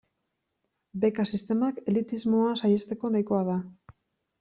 Beka sistemak elitismoa saihesteko nahikoa da.